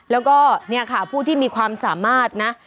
แล้วก็เนี่ยค่ะผู้ที่มีความสามารถนะ